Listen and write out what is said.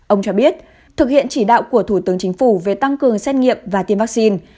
ông cho biết thực hiện chỉ đạo của thủ tướng chính phủ về tăng cường xét nghiệm và tiêm vaccine